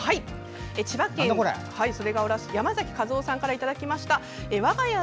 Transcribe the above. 千葉県袖ケ浦市山嵜和雄さんからいただきました。